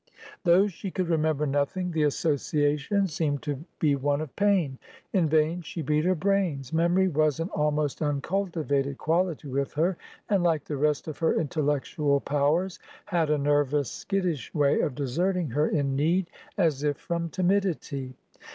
Though she could remember nothing, the association seemed to be one of pain. In vain she beat her brains. Memory was an almost uncultivated quality with her, and, like the rest of her intellectual powers, had a nervous, skittish way of deserting her in need, as if from timidity.